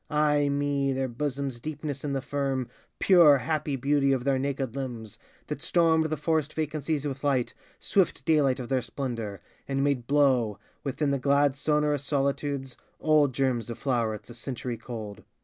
Ai me! their bosoms' deepness and the firm, Pure, happy beauty of their naked limbs, That stormed the forest vacancies with light, Swift daylight of their splendor, and made blow, Within the glad sonorous solitudes, Old germs of flowerets a century cold.